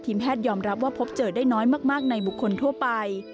แพทยอมรับว่าพบเจอได้น้อยมากในบุคคลทั่วไป